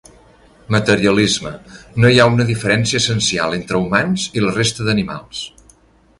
Materialisme: no hi ha una diferència essencial entre humans i la resta d'animals.